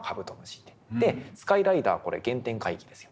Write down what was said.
でスカイライダーこれ原点回帰ですよ。